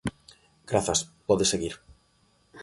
Grazas, pode seguir.